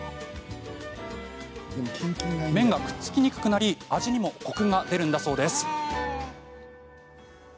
麺が、くっつきにくくなり味にもコクが出るんだそうです。